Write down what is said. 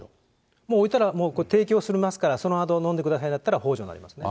もう置いたら、もう、提供していますから、そのあと飲んでくださいだったらほう助になりますよね。